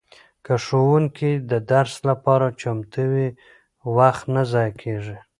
که ښوونکی د درس لپاره چمتو وي وخت نه ضایع کیږي.